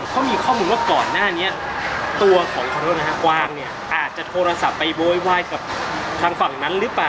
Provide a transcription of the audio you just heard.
เขามีข้อมูลว่าก่อนหน้านี้ตัวของขอโทษนะฮะกวางเนี่ยอาจจะโทรศัพท์ไปโวยวายกับทางฝั่งนั้นหรือเปล่า